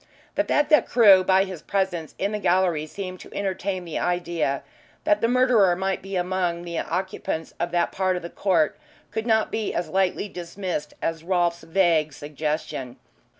The fact that Crewe by his presence in the gallery seemed to entertain the idea that the murderer might be found among the occupants of that part of the court could not be as lightly dismissed as Rolfe's vague suggestion.